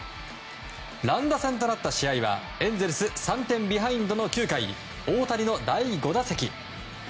乱打戦となった試合はエンゼルス３点ビハインドの９回大谷の第５打席。